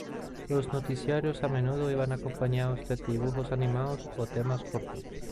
Los noticiarios a menudo iban acompañados de dibujos animados o temas cortos.